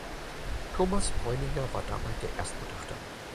Thomas Bräuninger war dabei der Erstgutachter.